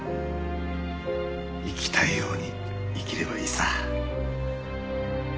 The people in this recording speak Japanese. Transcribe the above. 生きたいように生きればいいさ。